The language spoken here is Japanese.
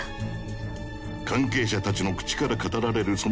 関係者たちの口から語られるその実像は真っ二つ。